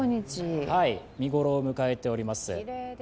見頃を迎えております。